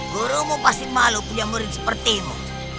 gurumu pasti malu punya murid sepertimu